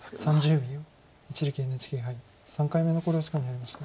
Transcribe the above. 一力ＮＨＫ杯３回目の考慮時間に入りました。